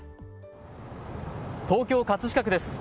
東京葛飾区です。